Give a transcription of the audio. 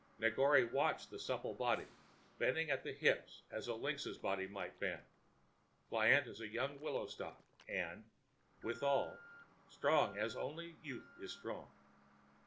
Negore watched the supple body, bending at the hips as a lynx's body might bend, pliant as a young willow stalk, and, withal, strong as only youth is strong.